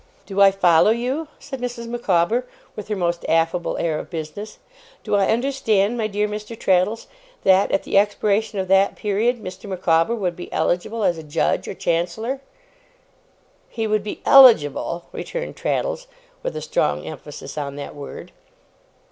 'Do I follow you?' said Mrs. Micawber, with her most affable air of business. 'Do I understand, my dear Mr. Traddles, that, at the expiration of that period, Mr. Micawber would be eligible as a Judge or Chancellor?' 'He would be ELIGIBLE,' returned Traddles, with a strong emphasis on that word.